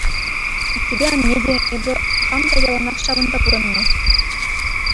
Аттепе анне те, эпӗ хам та яланах ҫавӑнта пурӑннӑ...